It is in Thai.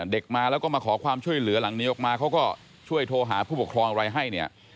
เด็กมาแล้วก็มาขอความช่วยเหลือหลังนี้ออกมาเขาก็ช่วยโทรหาผู้ปกครองอะไรให้เนี่ย